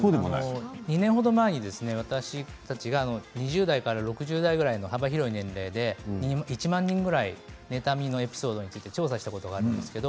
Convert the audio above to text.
２年程前に私たちが２０代から６０代ぐらいの幅広い年齢で、１万人ぐらい妬みのエピソードについて調査したことがあります。